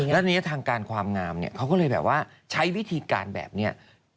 และระยะทางการความงามเขาก็เลยแบบว่าใช้วิธีการแบบนี้